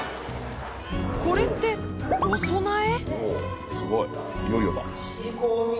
これってお供え？